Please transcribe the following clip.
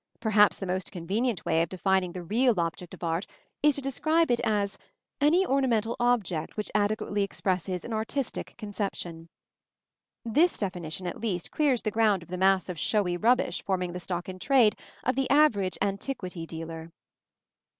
Perhaps the most convenient way of defining the real object of art is to describe it as any ornamental object which adequately expresses an artistic conception. This definition at least clears the ground of the mass of showy rubbish forming the stock in trade of the average "antiquity" dealer.